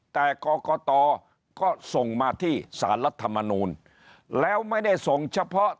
แต่กรกตก็ส่งมาที่สารรัฐมนูลแล้วไม่ได้ส่งเฉพาะ